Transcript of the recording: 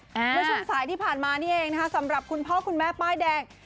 เมื่อช่วงสายที่ผ่านมานี่เองนะคะสำหรับคุณพ่อคุณแม่ป้ายแดง